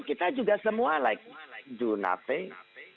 semua seperti do nothing